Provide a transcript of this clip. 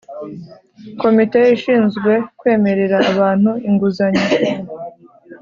komite ishinzwe kwemerera abantu inguzanyo